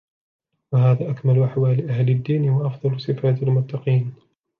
وَهَذَا أَكْمَلُ أَحْوَالِ أَهْلِ الدِّينِ ، وَأَفْضَلُ صِفَاتِ الْمُتَّقِينَ